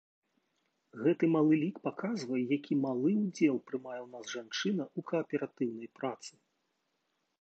Гэты малы лік паказвае, які малы ўдзел прымае ў нас жанчына ў кааператыўнай працы.